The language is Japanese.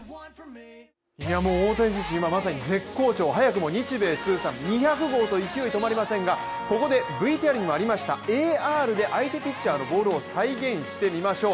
大谷選手、今まさに絶好調早くも日米通算２００号と勢い止まりませんがここでＶＴＲにもありましたＡＲで相手ピッチャーのボールを再現してみましょう。